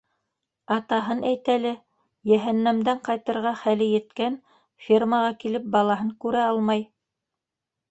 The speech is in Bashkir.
Атаһын әйт әле: йәһәннәмдән ҡайтырға хәле еткән, фермаға килеп балаһын күрә алмай...